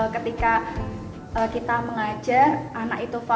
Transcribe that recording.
ketika kita mengajar anak itu fair